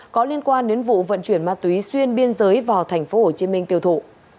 có liên quan đến vụ vận chuyển ma túy xuyên biên giới vào thành phố hồ chí minh tiêu thụ